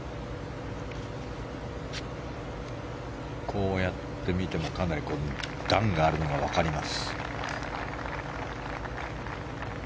こうやって見てもかなり段があるのが分かります。